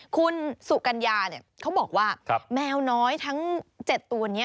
คุณสุกัญญาเขาบอกว่าแมวน้อยทั้ง๗ตัวนี้